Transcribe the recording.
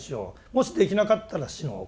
もしできなかったら死のう。